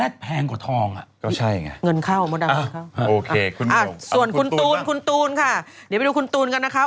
เดี๋ยวไปดูคุณตูนกันนะคะ